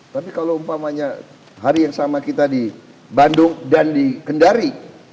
tapi kalau umpamanya hari yang sama kita di bandung dan di kendari